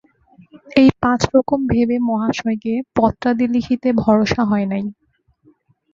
এই পাঁচ রকম ভেবে মহাশয়কে পত্রাদি লিখিতে ভরসা হয় নাই।